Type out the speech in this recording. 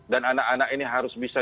dan anak anak ini harus bisa